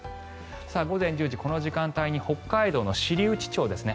午前１０時、この時間帯に北海道の知内町ですね。